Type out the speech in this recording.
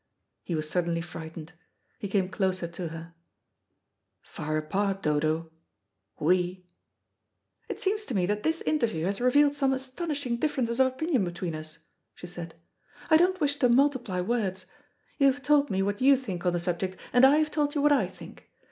He was suddenly frightened. He came closer to her. "Far apart, Dodo? We?" "It seems to me that this interview has revealed some astonishing differences of opinion between us," she said. "I don't wish to multiply words. You have told me what you think on the subject, and I have told you what I think.